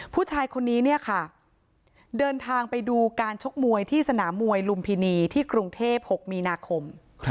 ผู้ชายคนนี้เนี่ยค่ะเดินทางไปดูการชกมวยที่สนามมวยลุมพินีที่กรุงเทพ๖มีนาคม